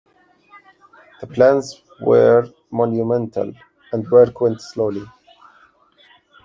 The plans were monumental, and work went slowly.